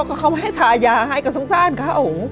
ก็เขาไม่ให้ทายาให้ก็สงสารเขา